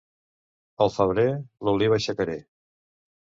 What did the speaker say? Al febrer, l'oliva aixecaré.